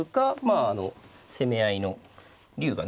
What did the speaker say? あの攻め合いの竜がね